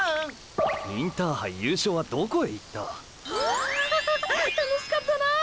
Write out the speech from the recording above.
インターハイ優勝はどこへいった⁉はあああ楽しかったなぁ